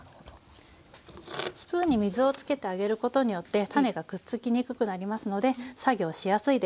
スプーンに水を付けてあげることによってタネがくっつきにくくなりますので作業しやいです。